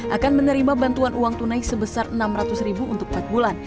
akan menerima bantuan uang tunai sebesar rp enam ratus untuk empat bulan